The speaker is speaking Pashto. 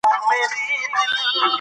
هر څوک باید په خپله برخه کې تخصص ولري.